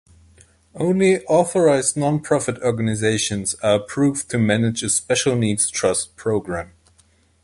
Only authorized non-profit organizations are approved to manage a special needs trust program.